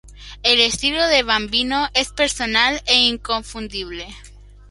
El estilo de Bambino es personal e inconfundible.